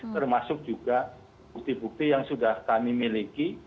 termasuk juga bukti bukti yang sudah kami miliki